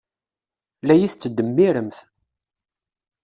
La iyi-tettdemmiremt.